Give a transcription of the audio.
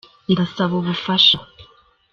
Ndasba ubufasha